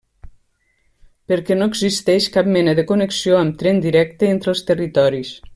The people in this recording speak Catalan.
Perquè no existeix cap mena de connexió amb tren directe entre els territoris.